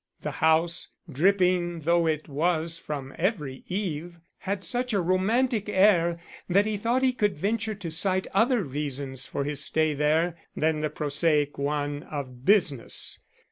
The house, dripping though it was from every eave, had such a romantic air that he thought he could venture to cite other reasons for his stay there than the prosaic one of business.